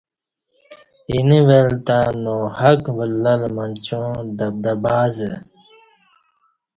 اینہ ول تہ ناحق ولہ لہ منچاں دبدبہ ازہ